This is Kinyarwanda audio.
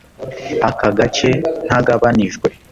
Aka gace ntagabanijwe